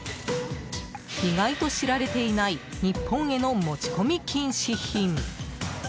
意外と知られていない日本への持ち込み禁止品。